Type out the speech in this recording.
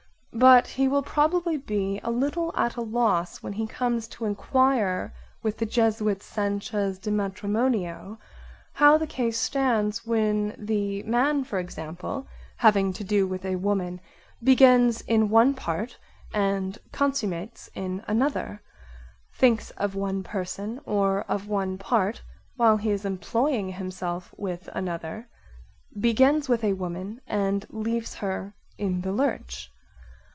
But he will probably be a little at a loss when he comes to enquire with the Jesuit Sanchez (De Matrimonio) how the case stands when the man for example, having to do with a woman, begins in one part and consummates in another; thinks of one person or of one part while he is employing himself with another; begins with a woman and leaves her in the lurch.